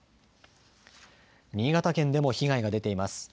新潟県でも被害が出ています。